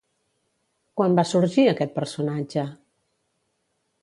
Quan va sorgir aquest personatge?